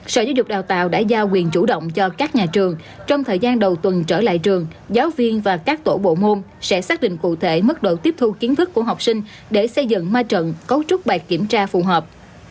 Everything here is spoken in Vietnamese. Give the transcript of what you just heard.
sở giáo dục đào tạo đã giao quyền chủ động cho các nhà trường trong thời gian đầu tuần trở lại trường giáo viên và các tổ bộ môn sẽ xác định cụ thể mức độ tiếp thu kiến thức của học sinh để xây dựng ma trận cấu trúc bài kiểm tra phù hợp